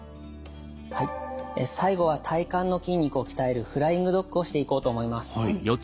最後は体幹の筋肉を鍛えるフライングドッグをしていこうと思います。